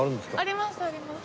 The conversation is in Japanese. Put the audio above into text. ありますあります。